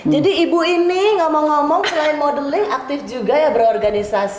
jadi ibu ini ngomong ngomong selain modeling aktif juga ya berorganisasi